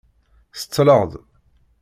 Seṭṭleɣ-d.